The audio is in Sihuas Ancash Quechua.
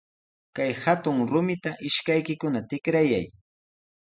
Kay hatun rumita ishkaykikuna tikrayay.